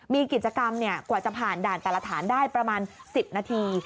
มีกิจกรรมกว่าจะผ่านด่านแต่ละฐานได้ประมาณ๑๐นาที